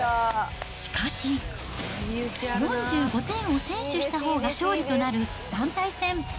しかし４５点を先取したほうが勝利となる団体戦。